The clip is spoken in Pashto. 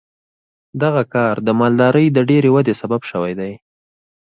دغه کار د مالدارۍ د ډېرې ودې سبب شوی دی.